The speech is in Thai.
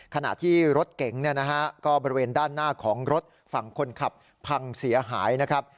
ขณะที่รถเก๋งก็บริเวณด้านหน้าของรถฝั่งคนขับพังเสียหายนะครับ